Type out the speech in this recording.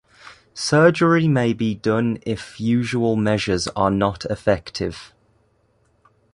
Surgery may be done if usual measures are not effective.